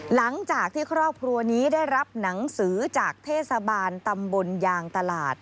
หลังจากที่ครอบครัวนี้ได้รับหนังสือจากเทศบาลตำบลยางตลาด